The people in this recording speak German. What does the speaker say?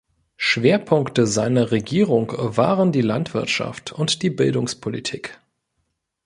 Schwerpunkte seiner Regierung waren die Landwirtschaft und die Bildungspolitik.